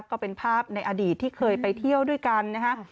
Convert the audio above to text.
ก็เป็นภาพในอดีตที่เคยไปเที่ยวด้วยกันนะฮะ